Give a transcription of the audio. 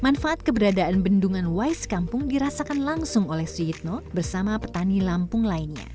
manfaat keberadaan bendungan wais kampung dirasakan langsung oleh suyitno bersama petani lampung lainnya